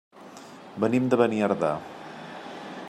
Venim de Beniardà.